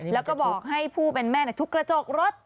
แล้วก็บอกให้ผู้เป็นแม่ทุบกระจกรถ